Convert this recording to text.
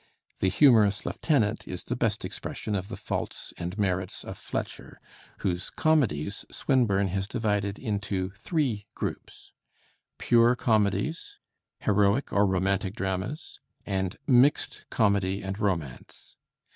'The Humorous Lieutenant' is the best expression of the faults and merits of Fletcher, whose comedies Swinburne has divided into three groups: pure comedies, heroic or romantic dramas, and mixed comedy and romance.